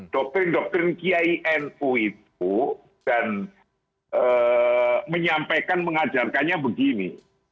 doktrin doktrin kiai nu itu dan menyampaikan mengajarkannya begini